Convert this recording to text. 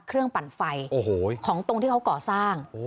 ปั่นไฟโอ้โหของตรงที่เขาก่อสร้าง